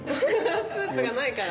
スープがないから。